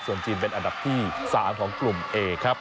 ส่วนจีนเป็นอันดับที่๓ของกลุ่มเอครับ